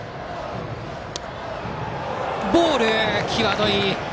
ボール、際どい。